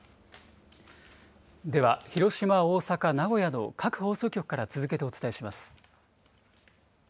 では広島、大阪、名古屋の各放送局から続けてお伝えします。